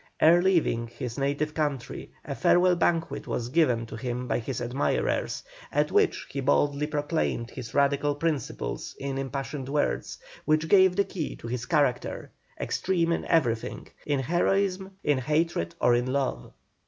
Ere leaving his native country a farewell banquet was given to him by his admirers, at which he boldly proclaimed his radical principles in impassioned words, which give the key to his character extreme in everything, in heroism, in hatred, or in love.